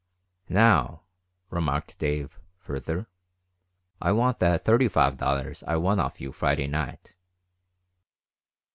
"Now," remarked Dave, further, "I want that thirty five dollars I won off you Friday night."